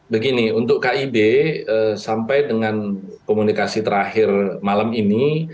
begini untuk kib sampai dengan komunikasi terakhir malam ini